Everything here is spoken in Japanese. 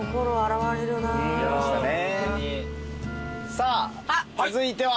さあ続いては？